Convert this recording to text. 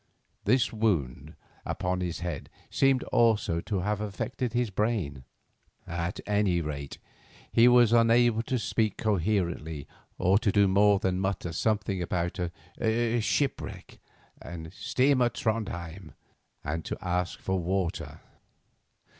This wound upon his head seemed also to have affected his brain; at any rate, he was unable to speak coherently or to do more than mutter something about "shipwreck" and "steamer Trondhjem," and to ask for water.